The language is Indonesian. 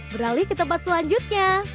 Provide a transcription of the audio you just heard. beralih ke tempat selanjutnya